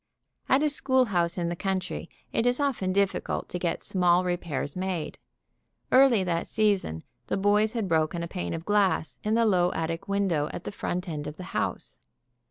At a schoolhouse in the country it is often difficult to get small repairs made. Early that season the boys had broken a pane of glass in the low attic window at the front end of the house.